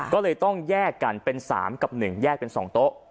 ก็เลยต้องแยกกันเป็น๓กับ๑แยกเป็น๒โต๊ะ